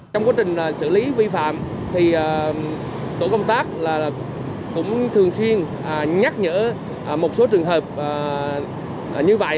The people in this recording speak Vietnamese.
trong quá trình xử lý vi phạm thì tổ công tác cũng thường xuyên nhắc nhở một số trường hợp như vậy